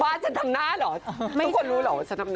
วะฉันทำหน้าเหรอทุกคนรู้เหรอ